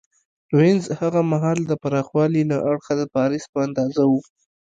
وینز هغه مهال د پراخوالي له اړخه د پاریس په اندازه و